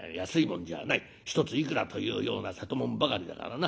一ついくらというような瀬戸物ばかりだからな